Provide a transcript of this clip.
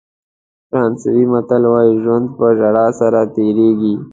فرانسوي متل وایي ژوند په ژړا سره تېرېږي.